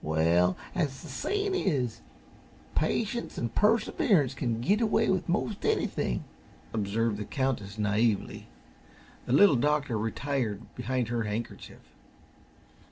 "Well, as the sayin' is: 'Patience an' perseverance can git away with most anything,'" observed the Countess, naively. The Little Doctor retired behind her handkerchief.